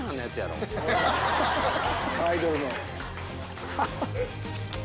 アイドルの。